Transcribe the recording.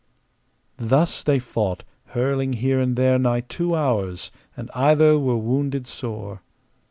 Thus they fought, hurling here and there nigh two hours, and either were wounded sore.